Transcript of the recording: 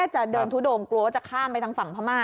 จะเดินทุดงกลัวว่าจะข้ามไปทางฝั่งพม่า